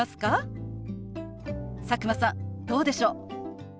佐久間さんどうでしょう？